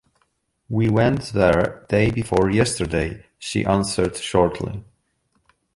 "We went there day before yesterday," she answered shortly.